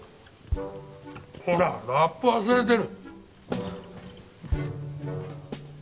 ほらラップ忘れてる。